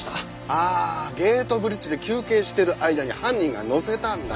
ああゲートブリッジで休憩してる間に犯人がのせたんだ。